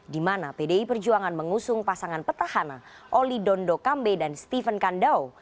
di mana pdi perjuangan mengusung pasangan petahana oli dondo kambe dan steven kandau